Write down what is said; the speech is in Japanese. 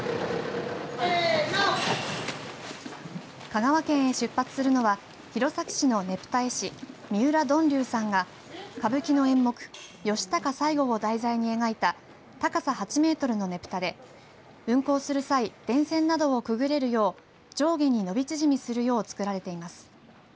香川県へ出発するのは弘前市のねぷた絵師、三浦呑龍さんが歌舞伎の演目、義賢最期を題材に描いた高さ８メートルのねぷたで運行する際、電線などをくぐれるよう上下に伸び縮みするよう作られています。